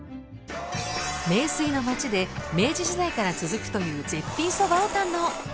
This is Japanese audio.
名水の街で明治時代から続くという絶品そばを堪能！